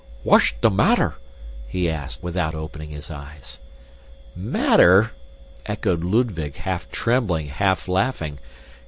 "What's the matter?" he asked, without opening his eyes. "Matter!" echoed Ludwig, half trembling, half laughing.